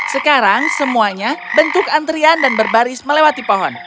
sekarang semuanya bentuk antrian dan berbaris melewati pohon